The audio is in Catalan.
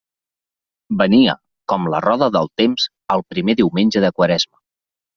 Venia, com la roda del temps, el primer diumenge de Quaresma.